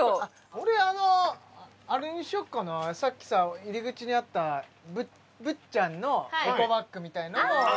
俺あのあれにしよっかなさっきさ入り口にあったぶっちゃんのエコバッグみたいのをああああ